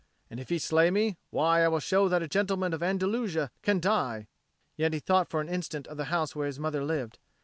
And if he slay me, why, I will show that a gentleman of Andalusia can die;" yet he thought for an instant of the house where his mother lived.